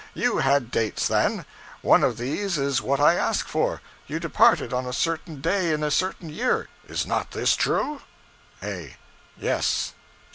You had dates then. One of these is what I ask for. You departed on a certain day in a certain year. Is not this true? A. Yes.